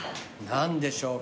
何でしょう？